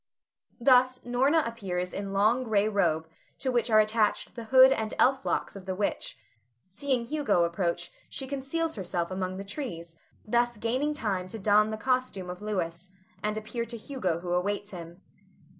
Thus, Norna appears in long, gray robe, to which are attached the hood and elf locks of the witch. Seeing Hugo approach she conceals herself among the trees, thus gaining time to don the costume of Louis, and appear to Hugo who awaits him.